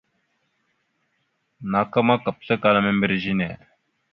Naka ma, pəslakala membirez a ne.